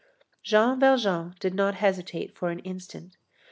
Jean Valjean did not hesitate for an instant.